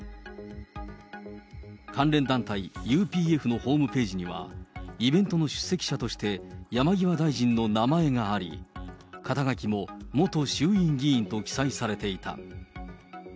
関連団体、ＵＰＦのホームページには、イベントの出席者として、山際大臣の名前があり、肩書も元衆院議員と記載されていた。